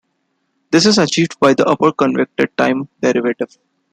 This is achieved by the upper convected time derivative.